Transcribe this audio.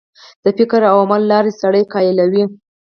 د فکر او عمل لار سړی قایلوي.